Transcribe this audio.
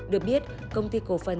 được biết công ty cổ phân